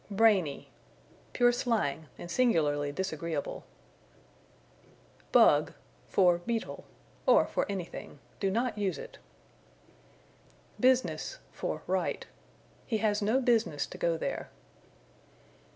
Brainy. Pure slang, and singularly disagreeable. Bug for Beetle, or for anything. Do not use it. Business for Right. "He has no business to go there."